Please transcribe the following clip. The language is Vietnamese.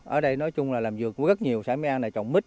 ở đây nói chung là làm giường cũng rất nhiều sả mê ăn này trồng mít